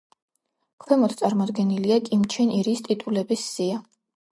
ქვემოთ წარმოდგენილია კიმ ჩენ ირის ტიტულების სია.